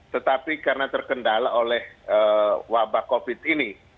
tetapi karena terkendala oleh wabah covid ini